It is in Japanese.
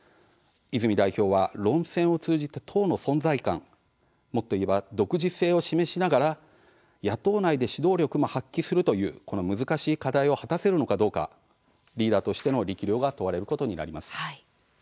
泉代表は論戦を通じて党の存在感もっといえば独自性を示しつつも野党内で指導力を発揮するという難しい課題を果たせるのかどうかリーダーとしての力量が問われることになります。